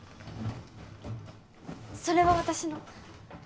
それは私の。